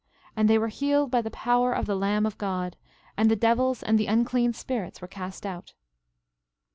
And they were healed by the power of the Lamb of God; and the devils and the unclean spirits were cast out.